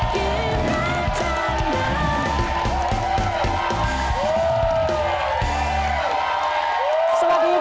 เกมรับจำนำ